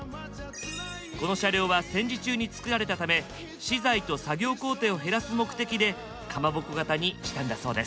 この車両は戦時中に作られたため資材と作業工程を減らす目的でかまぼこ型にしたんだそうです。